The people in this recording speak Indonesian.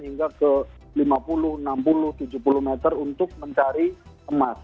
hingga ke lima puluh enam puluh tujuh puluh meter untuk mencari emas